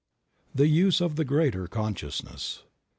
THE USE OF THE GREATER CONSCIOUSNESS.